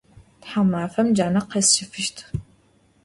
Thaumafem cane khesşefışt.